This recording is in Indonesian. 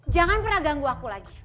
jangan pernah ganggu aku lagi